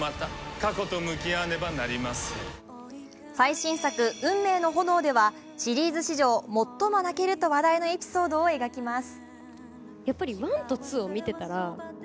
最新作「運命の炎」ではシリーズ史上最も泣けると話題のエピソードを描きます。